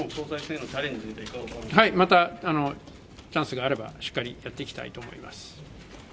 またチャンスがあればしっかりやっていきたいと思います。